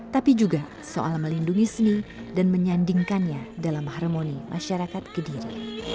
tapi juga soal melindungi seni dan menyandingkannya dalam harmoni masyarakat kediri